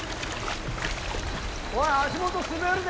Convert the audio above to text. おい足元滑るで。